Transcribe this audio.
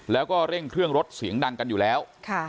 แล้วก็เร่งเครื่องรถเสียงดังกันอยู่แล้ว